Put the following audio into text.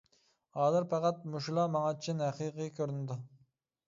ھازىر پەقەت مۇشۇلا ماڭا چىن، ھەقىقىي كۆرۈنىدۇ.